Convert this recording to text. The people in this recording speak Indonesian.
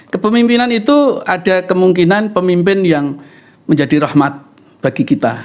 kepemimpinan itu ada kemungkinan pemimpin yang menjadi rahmat bagi kita